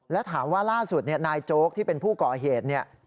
และถามว่าล่าสุดนายโจ๊กที่เป็นผู้ก่อเหตุเนี่ย